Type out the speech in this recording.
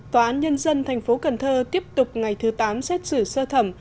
tòa án nhân dân tp cn tiếp tục ngày thứ tám xét xử sơ thẩm